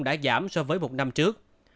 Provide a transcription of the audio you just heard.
đã giảm so với một năm trước